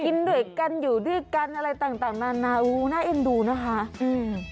กินด้วยกันอยู่ด้วยกันอะไรต่างต่างนานาโอ้น่าเอ็นดูนะคะอืม